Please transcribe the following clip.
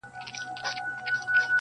زه يې د ميني په چل څنگه پوه كړم.